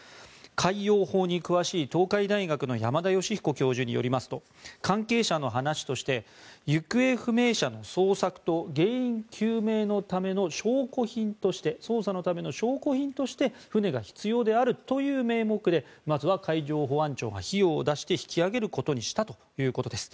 海洋法に詳しい東海大学の山田吉彦教授によりますと関係者の話として行方不明者の捜索と原因究明のための証拠品として捜査のための証拠品として船が必要であるという名目でまずは海上保安庁が費用を出して引き揚げることにしたということです。